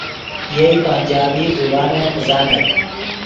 یئے پنجابی زبان ام ڤزانت